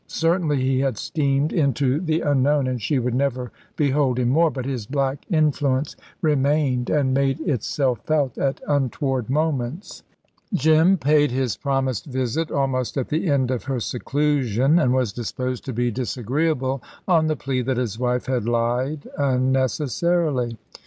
Certainly he had steamed into the unknown, and she would never behold him more. But his black influence remained and made itself felt at untoward moments. Jim paid his promised visit almost at the end of her seclusion, and was disposed to be disagreeable on the plea that his wife had lied unnecessarily.